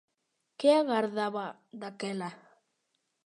Que agardaba, daquela?